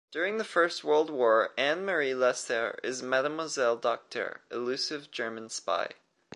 During the First World War, Anne-Marie Lesser is Mademoiselle Docteur, elusive German spy.